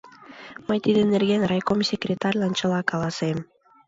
Мый тидын нерген райком секретарьлан чыла каласем.